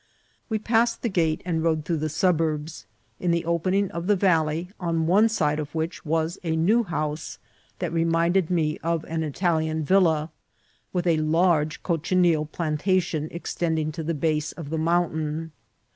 We passed the gate and rode through the suburbs, in the opening of the valley, on one side of which was a new house that reminded me of an Italian villa, with a large cochineal plantation ex tending to the base of the mountain.